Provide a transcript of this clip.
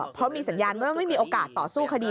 เพราะมีสัญญาณว่าไม่มีโอกาสต่อสู้คดี